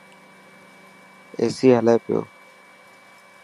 ايسي هلي پيو.